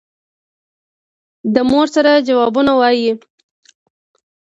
د مور سره جوابونه وايي.